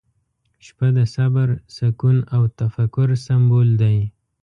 • شپه د صبر، سکون، او تفکر سمبول دی.